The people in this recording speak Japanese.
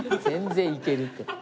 「全然いける」って。